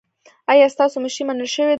ایا ستاسو مشري منل شوې ده؟